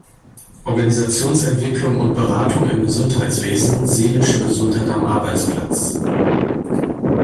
Organisationsentwicklung und -beratung im Gesundheitswesen, Seelische Gesundheit am Arbeitsplatz.